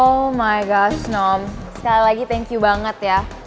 oh my gosh nom sekali lagi thank you banget ya